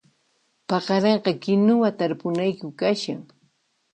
Paqarinqa kinuwa tarpunayku kashan